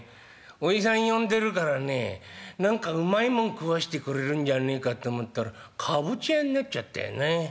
おじさん呼んでるからね何かうまいもん食わしてくれるんじゃねえかって思ったらかぼちゃやになっちゃったよね。